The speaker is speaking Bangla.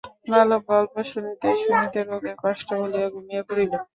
বালক গল্প শুনিতে শুনিতে রোগের কষ্ট ভুলিয়া ঘুমাইয়া পড়িল।